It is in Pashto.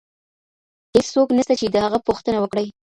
هيڅ څوک نسته چي د هغه پوښتنه وکړي.